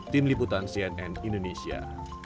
tim liputan cnn indonesia